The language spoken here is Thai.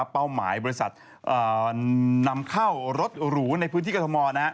เป้าหมายบริษัทนำเข้ารถหรูในพื้นที่กรทม